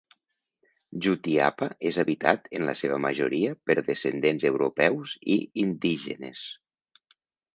Jutiapa és habitat en la seva majoria per descendents Europeus i Indígenes.